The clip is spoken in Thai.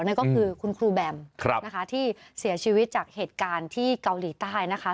นั่นก็คือคุณครูแบมนะคะที่เสียชีวิตจากเหตุการณ์ที่เกาหลีใต้นะคะ